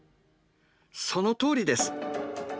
そのとおりです。